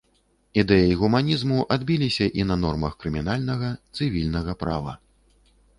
Ідэі гуманізму адбіліся і на нормах крымінальнага, цывільнага права.